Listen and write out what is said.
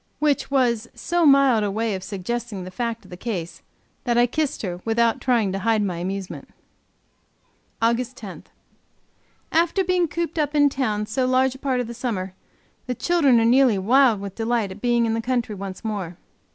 Which was so mild a way of suggesting the fact of the case, that I kissed her without trying to hide my amusement. AUG. 10. After being cooped up in town so large a part of the summer, the children are nearly wild with delight at being in the country once more.